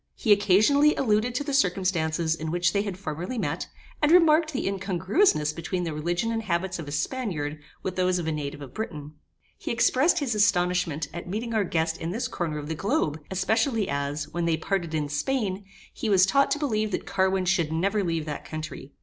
He occasionally alluded to the circumstances in which they had formerly met, and remarked the incongruousness between the religion and habits of a Spaniard, with those of a native of Britain. He expressed his astonishment at meeting our guest in this corner of the globe, especially as, when they parted in Spain, he was taught to believe that Carwin should never leave that country.